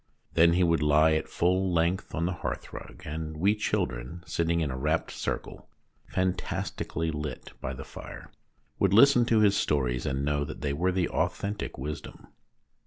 Then he would lie at full length on the hearthrug, and we children, sitting in a rapt circle, fantastically lit by the fire, would listen to his stories, and know that they were the authentic wisdom.